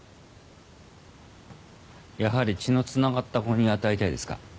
やはり血のつながった子に与えたいですか。